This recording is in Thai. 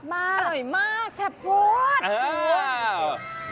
อร่อยมากแซ่บโภด